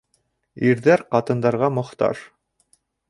Ирҙәр ҡатындарға мохтаж